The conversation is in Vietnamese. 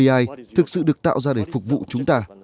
ai thực sự được tạo ra để phục vụ chúng ta